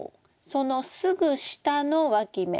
そのすぐ下のわき芽。